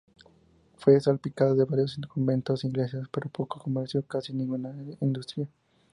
Fue salpicada de varios conventos e iglesias, pero poco comercio y casi ninguna industria.